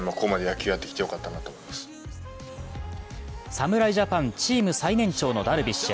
侍ジャパン・チーム最年長のダルビッシュ。